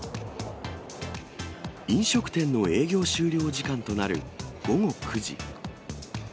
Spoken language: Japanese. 飲食店の営業終了時間となる午後９時。